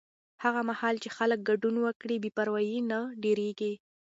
هغه مهال چې خلک ګډون وکړي، بې پروایي نه ډېرېږي.